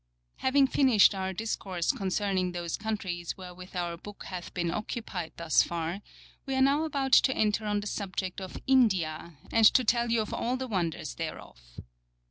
Having finished our discourse concerning those countries wherewith our Book hath been occupied thus far, we are now about to enter on the subject of India, and to tell you of all the wonders thereof.